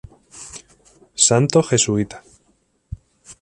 Santo jesuita.